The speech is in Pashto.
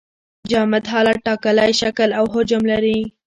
جامد حالت ټاکلی شکل او حجم لري.